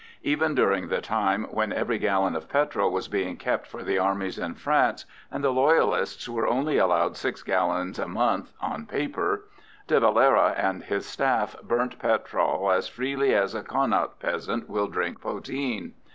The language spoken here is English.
Even during the time when every gallon of petrol was being kept for the armies in France, and the Loyalists were only allowed six gallons a month (on paper), De Valera and his staff burnt petrol as freely as a Connaught peasant will drink poteen.